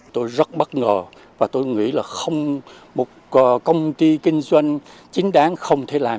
tôi rất bất ngờ và tôi nghĩ là không một công ty kinh doanh chính đáng không thể làm